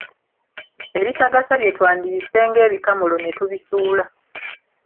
Ebitagasa bye twandiyise ng'ebikamulo ne tubisuula.